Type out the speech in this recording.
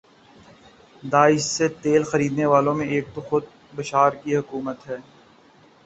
داعش سے تیل خرینے والوں میں ایک تو خود بشار کی حکومت ہے